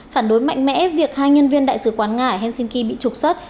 phản đối mạnh mẽ việc hai nhân viên đại sứ quán nga ở helsinki bị trục xuất